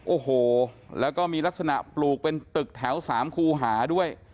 โอ้โหแล้วก็มีลักษณะปลูกเป็นตึกแถว๓คูหาด้วย